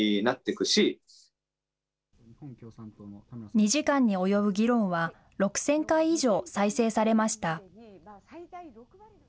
２時間に及ぶ議論は６０００回以上再生されました。